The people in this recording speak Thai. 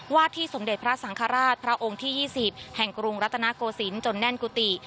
ที่สมเด็จพระสังฆราชพระองค์ที่๒๐แห่งกรุงรัตนโกศิลปจนแน่นกุฏิ